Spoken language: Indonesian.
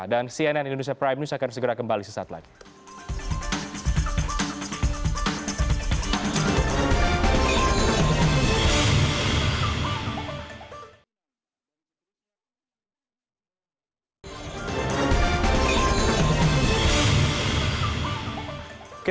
dan cnn indonesia prime news akan segera kembali sesaat lagi